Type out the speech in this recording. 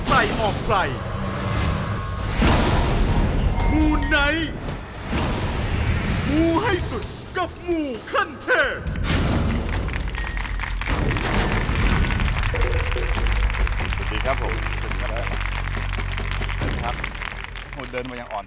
บ๊วยคุณเดินมายังอ่อนช้อนด้วยนะครับ